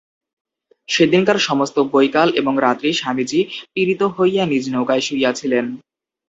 সেদিনকার সমস্ত বৈকাল এবং রাত্রি স্বামীজী পীড়িত হইয়া নিজ নৌকায় শুইয়াছিলেন।